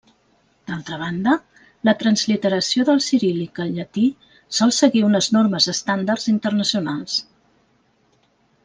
D'altra banda, la transliteració del ciríl·lic al llatí sol seguir unes normes estàndards internacionals.